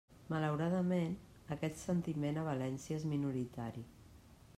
Malauradament, aquest sentiment a València és minoritari.